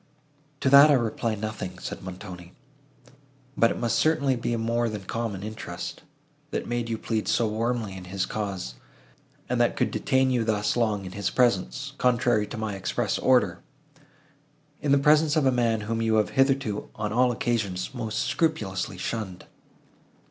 "To that I reply nothing," said Montoni; "but it must certainly be a more than common interest, that made you plead so warmly in his cause, and that could detain you thus long in his presence, contrary to my express order—in the presence of a man, whom you have hitherto, on all occasions, most scrupulously shunned!"